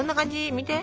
見て。